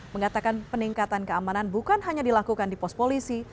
mengatakan peningkatan keamanan bukan hanya dilakukan di pos polisi